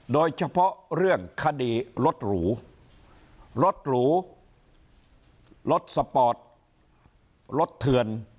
โดยเฉพาะเรื่องคดีรถหรูรถหรูรถสปอร์ตรถเถื่อน